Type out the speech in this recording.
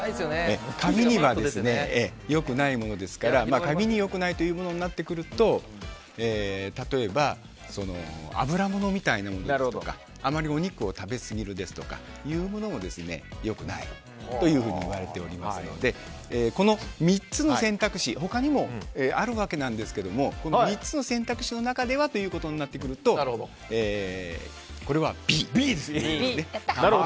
髪には良くないものですから髪に良くないものとなってくると例えば、油ものみたいなものとかあまりお肉を食べすぎるというのも良くないというふうに言われていますのでこの３つの選択肢他にもあるわけなんですけどもこの３つの選択肢の中ではということになってくるとこれはＢですね。